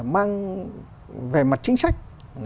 mang về mặt chính sách